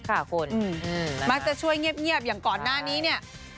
ค่ะคุณมักจะช่วยเงียบอย่างก่อนหน้านี้เนี่ย